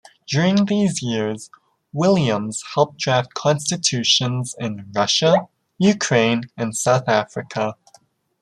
During these years, Williams helped draft constitutions in Russia, Ukraine, and South Africa.